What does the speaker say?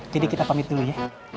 jadi kita pamit dulu ya